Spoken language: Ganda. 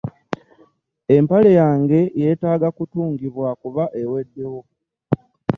Empale yange yetaaga kutungibwa kuba ewedewo.